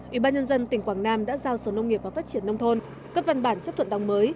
ủy ban nhân dân tỉnh quảng nam đã giao sở nông nghiệp và phát triển nông thôn cấp văn bản chấp thuận đồng mới